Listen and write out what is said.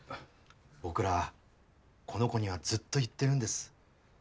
僕らこの子にはずっと言ってるんです。